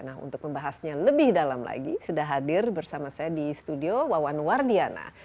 nah untuk membahasnya lebih dalam lagi sudah hadir bersama saya di studio wawan wardiana